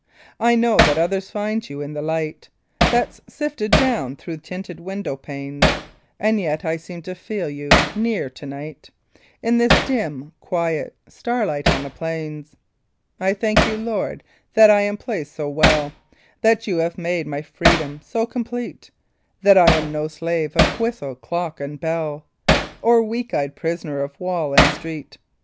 1 know that others find You in the light That's sifted down thro' tinted window panes, And yet I seem to feel You near to night In this dim, quiet starlight on the plains. I thank you, Lord, that I am placed so well; That You have made my freedom so complete; That I'm no slave of whistle, clock and bell, Or weak eyed prisoner of wall and street.